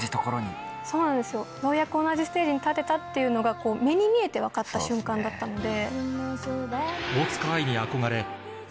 そうなんですよようやく同じステージに立てたっていうのが目に見えて分かった瞬間だったので。